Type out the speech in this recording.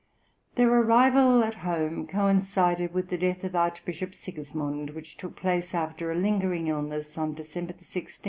Their arrival at home coincided with the death of Archbishop Sigismund, which took place after a lingering illness on December 16,1771.